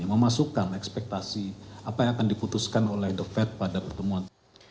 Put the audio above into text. memasukkan ekspektasi apa yang akan diputuskan oleh the fed pada pertemuan